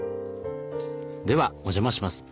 ではお邪魔します。